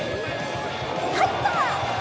入った！